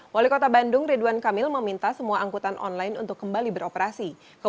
wali kota bandung ridwan kamil meminta semua angkutan online untuk kembali beroperasi